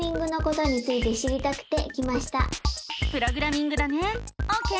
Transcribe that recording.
プログラミングだねオーケー！